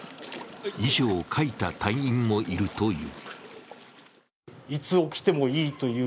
遺書を書いた隊員もいるという。